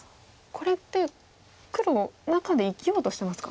これって黒中で生きようとしてますか？